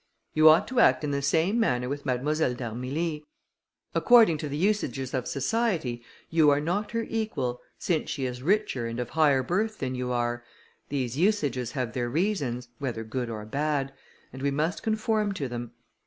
You ought to act in the same manner with Mademoiselle d'Armilly. According to the usages of society, you are not her equal, since she is richer and of higher birth than you are; these usages have their reasons, whether good or bad, and we must conform to them.